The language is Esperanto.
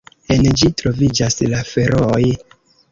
En ĝi troviĝas la Ferooj.